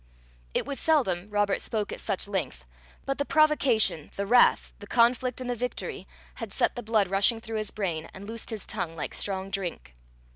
It was seldom Robert spoke at such length, but the provocation, the wrath, the conflict, and the victory, had sent the blood rushing through his brain, and loosed his tongue like strong drink.